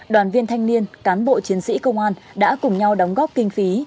đoàn viên thanh niên cán bộ chiến sĩ công an đã cùng nhau đóng góp kinh phí